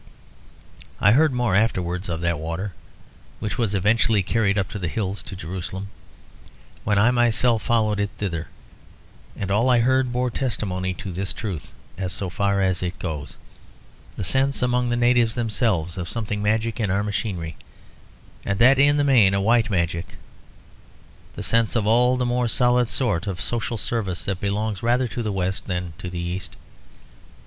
I heard more afterwards of that water, which was eventually carried up the hills to Jerusalem, when I myself followed it thither; and all I heard bore testimony to this truth so far as it goes; the sense among the natives themselves of something magic in our machinery, and that in the main a white magic; the sense of all the more solid sort of social service that belongs rather to the West than to the East.